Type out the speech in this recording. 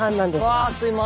うわあっという間。